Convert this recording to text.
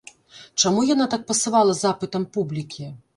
Чаму яна так пасавала запытам публікі?